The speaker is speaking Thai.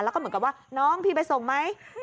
แล้วก็เหมือนกับว่าน้องพี่ไปส่งไหม